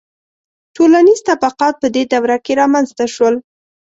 • ټولنیز طبقات په دې دوره کې رامنځته شول.